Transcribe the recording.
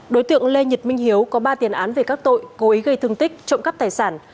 đối tượng lê nhật minh hiếu có ba tiền án về các tội cố ý gây thương tích trộm cắp tài sản